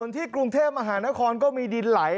ที่กรุงเทพมหานครก็มีดินไหล